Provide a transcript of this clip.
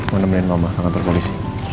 mau nemenin mama ke kantor polisi